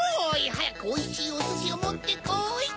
はやくおいしいおすしをもってこい！